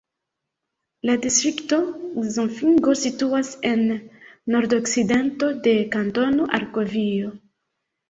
La distrikto Zofingo situas en nordokcidento de Kantono Argovio.